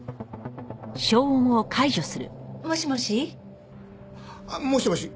もしもし？もしもし。